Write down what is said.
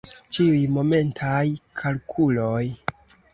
Ĉiuj momentaj kalkuloj.